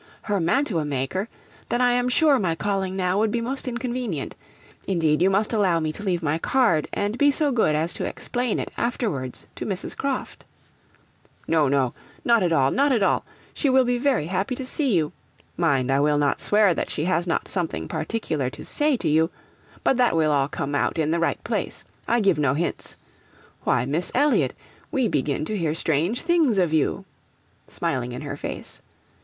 'Her mantua maker! Then I am sure my calling now would be most inconvenient. Indeed you must allow me to leave my card and be so good as to explain it afterwards to Mrs. Croft.' 'No, no, not at all not at all she will be very happy to see you. Mind, I will not swear that she has not something particular to say to you, but that will all come out in the right place. I give no hints. Why, Miss Elliot, we begin to hear strange things of you (smiling in her face).